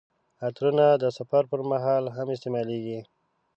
عطرونه د سفر پر مهال هم استعمالیږي.